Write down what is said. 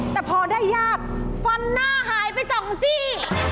แต่พอได้ญาติฟันหน้าหายไปสองซี่